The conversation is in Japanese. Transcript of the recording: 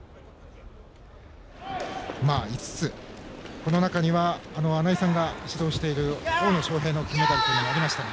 この中には穴井さんが指導している大野将平の金メダルもありました。